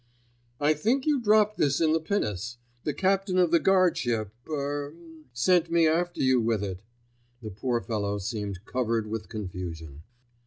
"I think you dropped this in the pinnace. The captain of the guardship—er—er—sent me after you with it." The poor fellow seemed covered with confusion.